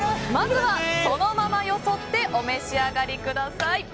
まずは、そのままよそってお召し上がりください。